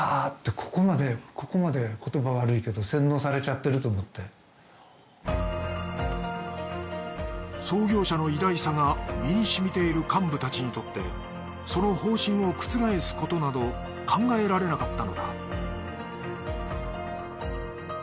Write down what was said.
三島は耳を疑った創業者の偉大さが身に染みている幹部たちにとってその方針を覆すことなど考えられなかったのだ